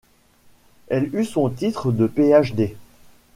Elle eut son titre de Ph.D.